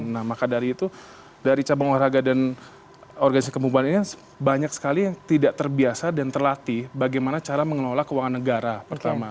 nah maka dari itu dari cabang olahraga dan organisasi kebupaten ini banyak sekali yang tidak terbiasa dan terlatih bagaimana cara mengelola keuangan negara pertama